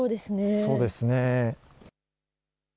そうですね。